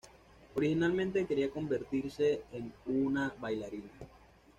Originalmente quería convertirse en un bailarina.